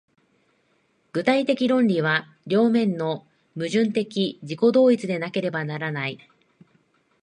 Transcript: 具体的論理は両面の矛盾的自己同一でなければならない。